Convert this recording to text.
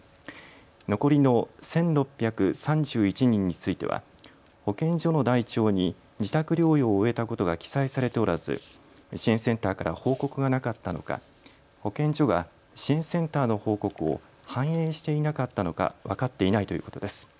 残りの１６３１人については保健所の台帳に自宅療養を終えたことが記載されておらず支援センターから報告がなかったのか保健所が支援センターの報告を反映していなかったのか分かっていないということです。